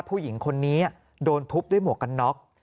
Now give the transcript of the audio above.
ผู้หญิงคนนี้โดนทุบด้วยหมวกกันน็อก